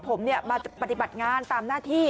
ผมมาปฏิบัติงานตามหน้าที่